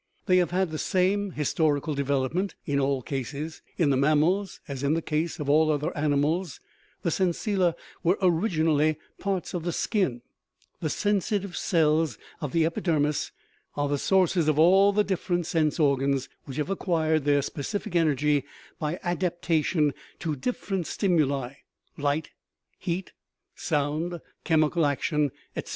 They have had the same historical development in all cases. In the mammals, as in the case of all other animals, the sensilla were originally parts of the skin ; the sensitive cells of the epidermis are the sources of all the differ ent sense organs, which have acquired their specific energy by adaptation to different stimuli (light, heat, sound, chemical action, etc.).